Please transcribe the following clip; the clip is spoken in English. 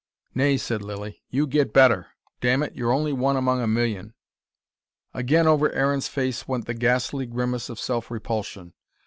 "Nay," said Lilly. "You get better. Damn it, you're only one among a million." Again over Aaron's face went the ghastly grimace of self repulsion.